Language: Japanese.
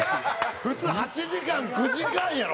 普通８時間９時間やろ？